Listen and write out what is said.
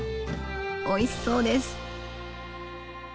おいしそうです！